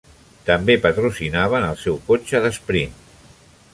També patrocinaven el seu cotxe d'esprint.